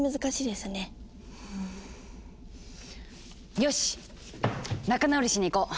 よし仲直りしに行こう！